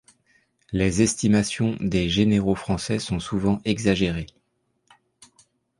Les estimations des généraux français sont souvent exagérées.